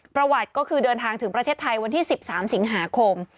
ประวัติก็คือเดินทางถึงประเทศไทยวันที่๑๓สิงหาคม